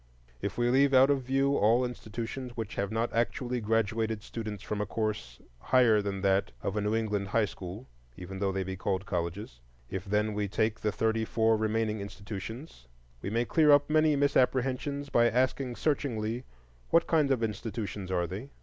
If we leave out of view all institutions which have not actually graduated students from a course higher than that of a New England high school, even though they be called colleges; if then we take the thirty four remaining institutions, we may clear up many misapprehensions by asking searchingly, What kind of institutions are they?